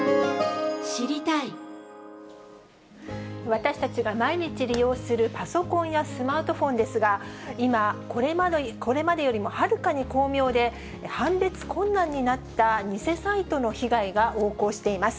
私たちが毎日利用するパソコンやスマートフォンですが、今、これまでよりもはるかに巧妙で、判別困難になった偽サイトの被害が横行しています。